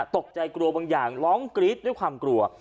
ตกใจกลัวบางอย่างร้องกรี๊ดด้วยความกลัว